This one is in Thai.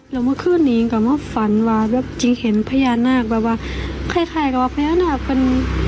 แล้วเมื่อคืนนี้ก็มาฝันว่าแบบจริงเห็นพญานาคแบบว่าคล้ายกับพญานาคเป็น